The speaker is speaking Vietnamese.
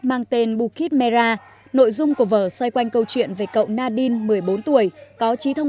mang tên bukit mera nội dung của vở xoay quanh câu chuyện về cậu nadin một mươi bốn tuổi có trí thông